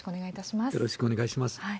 よろしくお願いします。